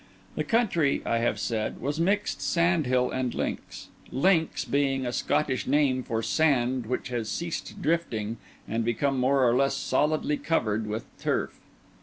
The country, I have said, was mixed sand hill and links; links being a Scottish name for sand which has ceased drifting and become more or less solidly covered with turf.